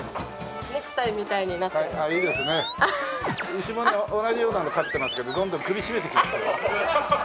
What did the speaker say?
うちもね同じようなの飼ってますけどどんどん首絞めてきます。